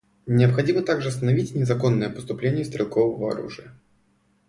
Необходимо также остановить незаконное поступление стрелкового оружия.